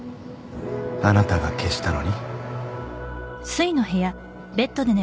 あなたが消したのに？